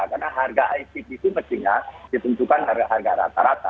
karena harga icb itu mestinya ditunjukkan harga rata rata